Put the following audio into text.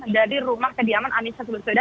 enam dari rumah kediaman anies baswedan